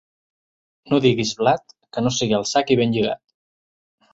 No diguis blat, que no sigui al sac i ben lligat.